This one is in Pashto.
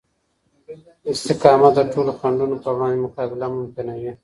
استقامت د ټولو خنډونو په وړاندې مقابله ممکنوي.